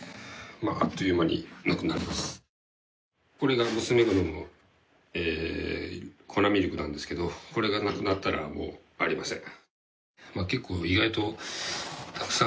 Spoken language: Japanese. これが娘が飲む粉ミルクなんですけど、これがなくなったらもうありません。